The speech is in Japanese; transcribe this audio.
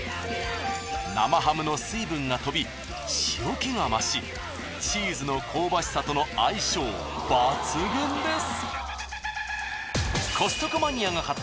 生ハムの水分が飛び塩気が増しチーズの香ばしさとの相性抜群です！